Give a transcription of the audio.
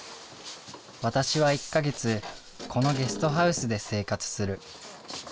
私は１か月このゲストハウスで生活する。